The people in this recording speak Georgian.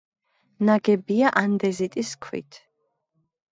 ნაგებია ანდეზიტის ქვით.